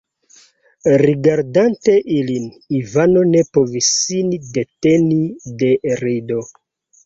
Rigardante ilin, Ivano ne povis sin deteni de rido.